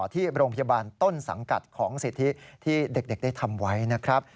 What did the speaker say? ที่โรงพยาบาลต้นสังกัดของสิทธิที่เด็กได้ทำไว้นะครับ